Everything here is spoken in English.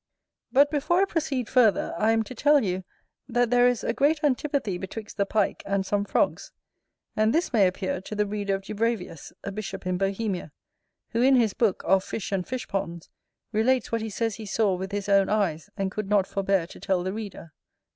But before I proceed further, I am to tell you, that there is a great antipathy betwixt the Pike and some frogs: and this may appear to the reader of Dubravius, a bishop in Bohemia, who, in his book Of Fish and Fish ponds, relates what he says he saw with his own eyes, and could not forbear to tell the reader.